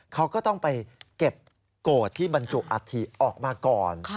เขาก็ต้องไปเก็บโกรธที่บรรจุอัฐิออกมาก่อน